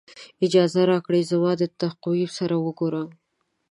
اجازه راکړئ زما د تقویم سره وګورم.